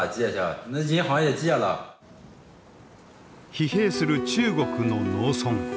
疲弊する中国の農村。